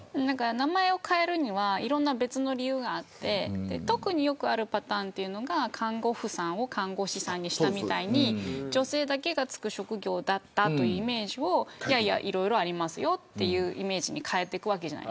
名前を変えるにはいろんな別の理由があってよくあるパターンが看護婦さんを看護師さんにしたみたいに女性だけが就く職業だったというイメージをいろいろありますよというイメージに変えていくわけです。